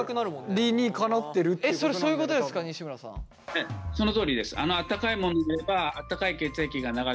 ええそのとおりです。